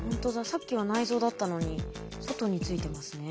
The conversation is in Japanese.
さっきは内臓だったのに外についてますね。